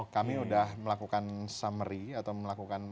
kami sudah melakukan summary atau melakukan